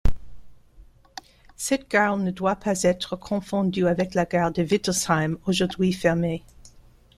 Cette gare ne doit pas être confondue avec la gare de Wittelsheim aujourd'hui fermée.